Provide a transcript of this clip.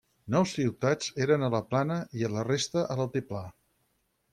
Nou ciutats eren a la plana i la resta a l'altiplà.